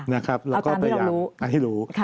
เอาตามที่เรารู้ค่ะเอาให้รู้ค่ะเอาตามที่เรารู้